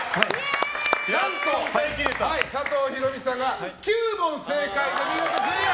何と佐藤弘道さんが９問正解で見事クリア！